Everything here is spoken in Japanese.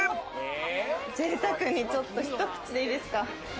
ぜいたくにちょっと一口でいいですか？